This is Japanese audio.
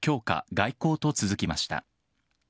・外交と続きました。